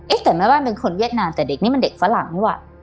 แต่แม่บ้านเป็นคนเวียดนามแต่เด็กนี่มันเด็กฝรั่งว่ะ